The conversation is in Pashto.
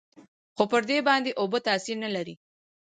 خو پر دې باندې اوبه تاثير نه لري.